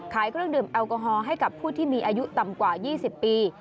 เครื่องดื่มแอลกอฮอล์ให้กับผู้ที่มีอายุต่ำกว่า๒๐ปี